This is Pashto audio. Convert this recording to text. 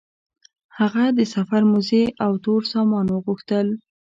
هغه د سفر موزې او تور سامان وغوښتل.